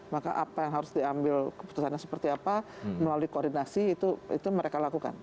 maka apa yang harus diambil keputusannya seperti apa melalui koordinasi itu mereka lakukan